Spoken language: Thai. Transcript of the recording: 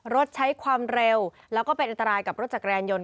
รถใช้ความเร็วแล้วก็เป็นอันตรายกับรถจักรยานยนต